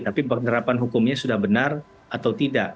tapi penerapan hukumnya sudah benar atau tidak